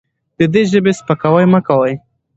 د دې ژبې سپکاوی مه کوئ.